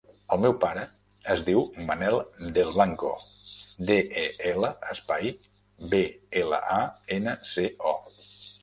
El meu pare es diu Manel Del Blanco: de, e, ela, espai, be, ela, a, ena, ce, o.